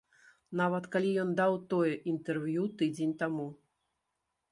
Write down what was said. Нават калі ён даў тое інтэрв'ю тыдзень таму.